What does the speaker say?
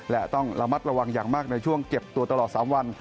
และต้องระมัดระวังอย่างมากในช่วงเก็บตัวตลอด๓วัน